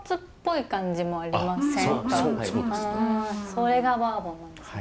それがバーボンなんですね。